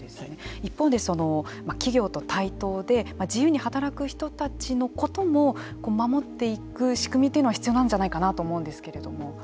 一方でその企業と対等で自由に働く人たちのことも守っていく仕組みっていうのが必要なんじゃないかなと思うんですけれども。